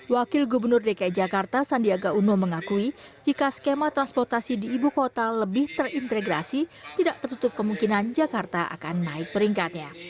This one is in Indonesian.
wakil gubernur dki jakarta sandiaga uno mengakui jika skema transportasi di ibu kota lebih terintegrasi tidak tertutup kemungkinan jakarta akan naik peringkatnya